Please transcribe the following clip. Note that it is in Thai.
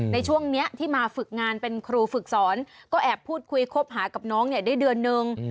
ในช่วงนี้ที่มาฝึกงานเป็นครูฝึกสอนก็แอบพูดคุยคบหากับน้องเนี่ยได้เดือนนึง